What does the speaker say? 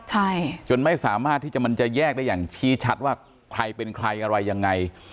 ใช่จนไม่สามารถที่จะมันจะแยกได้อย่างชี้ชัดว่าใครเป็นใครอะไรยังไง